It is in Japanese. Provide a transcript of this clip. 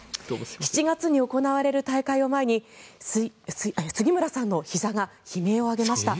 ７月に行われる大会を前に杉村さんのひざが悲鳴を上げました。